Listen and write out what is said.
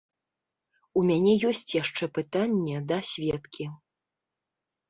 У мяне ёсць яшчэ пытанне да сведкі.